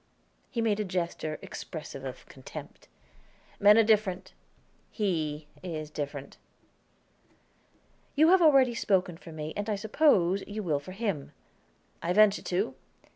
He made a gesture, expressive of contempt. "Men are different; he is different." "You have already spoken for me, and, I suppose, you will for him." "I venture to.